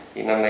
thì năm nay